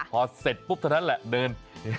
พอเสร็จปุ๊บเท่านั้นแหละเดิน